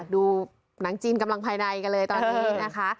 ดูหนังจีนกำลังภายในกันเลยตอนนี้นะคะ